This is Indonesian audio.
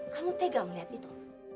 kamu tegar melihat itu